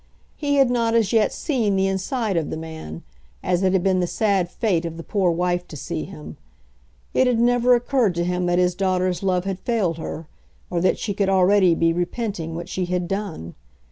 He had not as yet seen the inside of the man, as it had been the sad fate of the poor wife to see him. It had never occurred to him that his daughter's love had failed her, or that she could already be repenting what she had done.